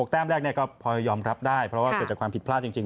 แต้มแรกก็พอยอมรับได้เพราะว่าเกิดจากความผิดพลาดจริง